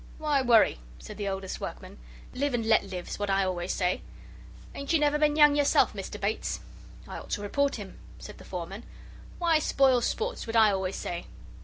"Why worry?" said the oldest workman; "live and let live's what I always say. Ain't you never been young yourself, Mr. Bates?" "I ought to report him," said the foreman. "Why spoil sport's what I always say."